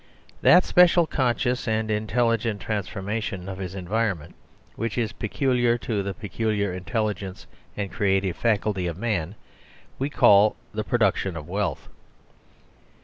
That special, conscious, and intelligent transforma tion of his environment which is peculiar to the pe culiar intelligence and creative faculty of man we call the Production of Wealth.